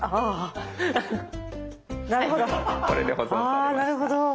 あなるほど。